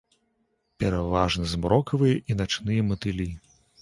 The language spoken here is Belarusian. Пераважна змрокавыя і начныя матылі.